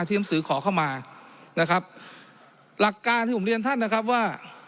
หนังสือขอเข้ามานะครับหลักการที่ผมเรียนท่านนะครับว่า